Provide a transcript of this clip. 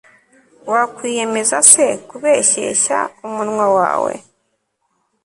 wakwiyemeza se kubeshyeshya umunwa wawe